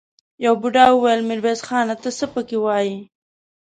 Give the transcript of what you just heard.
يوه بوډا وويل: ميرويس خانه! ته څه پکې وايې؟